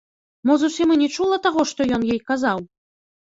Мо зусім і не чула таго, што ён ёй казаў?